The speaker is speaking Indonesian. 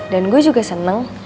dan gue juga seneng